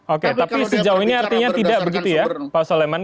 oke tapi sejauh ini artinya tidak begitu ya pak soleman